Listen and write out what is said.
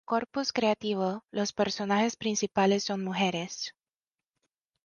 En su corpus creativo, los personajes principales son mujeres.